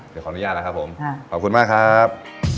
เดี๋ยวขออนุญาตนะครับผมขอบคุณมากครับ